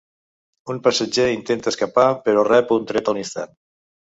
Un passatger intenta escapar, però rep un tret a l'instant.